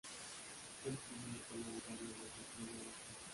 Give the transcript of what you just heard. Fue el primer parlamentario homosexual de Brasil.